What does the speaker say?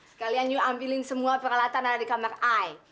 sekalian you ambilin semua peralatan ada di kamar ay